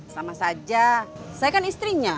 sama saja saya kan istrinya